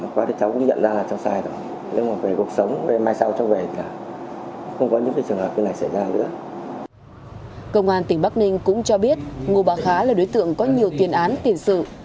công an tỉnh bắc ninh cũng cho biết ngô bà khá là đối tượng có nhiều tiền án tiền sự